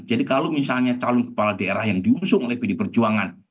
jadi kalau misalnya calon kepala daerah yang diusung oleh pd perjuangan